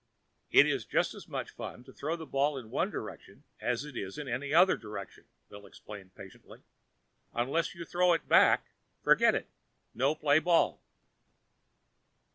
"It's just as much fun to throw the ball in one direction as in any other direction," Bill explained patiently. "Unless you throw it back, forget it no play ball."